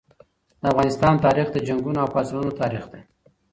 د افغانستان تاریخ د جنګونو او پاڅونونو تاریخ دی.